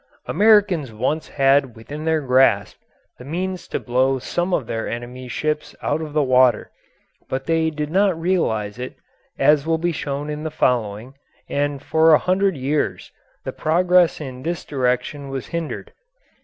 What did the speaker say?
Americans once had within their grasp the means to blow some of their enemies' ships out of the water, but they did not realise it, as will be shown in the following, and for a hundred years the progress in this direction was hindered.